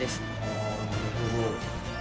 ああなるほど。